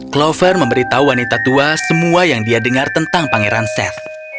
clover memberitahu wanita tua semua yang dia dengar tentang pangeran chef